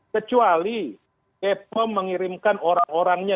kecuali bepom mengirimkan orang orangnya